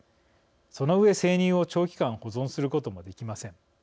そのうえ生乳を長期間保存することもできません。